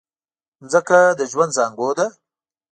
مځکه د ژوند زانګو ده.